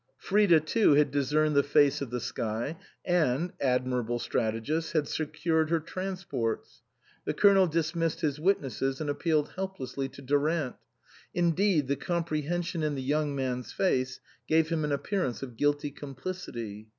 Frida too had discerned the face of the sky, and admir able strategist ! had secured her transports. The Colonel dismissed his witnesses, and ap pealed helplessly to Durant ; indeed, the com prehension in the young man's face gave him an appearance of guilty complicity.